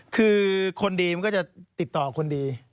คือคนดีมันก็จะติดต่อคนดี